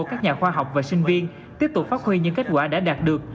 các nhà khoa học và sinh viên tiếp tục phát huy những kết quả đã đạt được